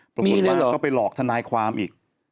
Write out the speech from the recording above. ปรากฏว่าก็ไปหลอกทนายความอีก